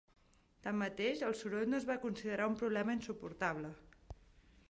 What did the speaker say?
Tanmateix, el soroll no es va considerar un problema insuportable.